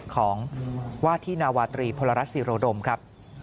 ของวาทินาวาตรีพลรศรีโรดมครับ